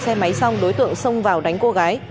xe máy xong đối tượng xông vào đánh cô gái